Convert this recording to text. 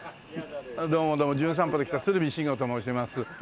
どうも『じゅん散歩』で来た鶴見辰吾と申します。